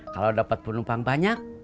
kalau dapat penumpang banyak